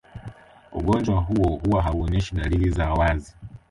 Ugonjwa huo huwa hauonyeshi dalili za wazi